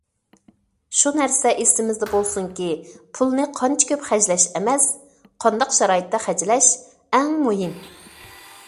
شۇ نەرسە ئېسىمىزدە بولسۇنكى، پۇلنى قانچە كۆپ خەجلەش ئەمەس، قانداق شارائىتتا خەجلەش ئەڭ مۇھىم.